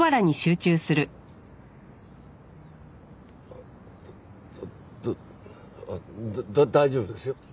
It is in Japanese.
あだ大丈夫ですよ。